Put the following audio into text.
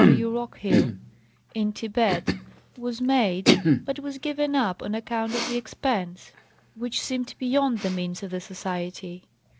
W. Rockhill, m Thibet, was made but was given up on account of the expense, which seemed beyond the means of the Society.